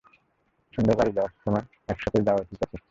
সন্ধ্যায় বাড়ি যাওয়ার সময় একসাথে যাবো, ঠিক আছে?